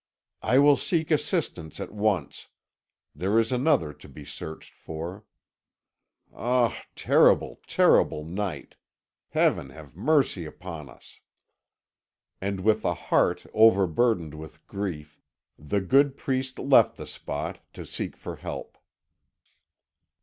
"I will seek assistance at once; there is another to be searched for. Ah, terrible, terrible night! Heaven have mercy upon us!" And with a heart overburdened with grief, the good priest left the spot to seek for help.